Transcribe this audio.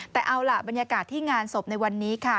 แต่เอาล่ะบรรยากาศที่งานศพในวันนี้ค่ะ